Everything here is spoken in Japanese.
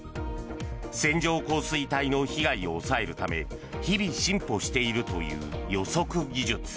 線状降水帯の被害を抑えるため日々、進歩しているという予測技術。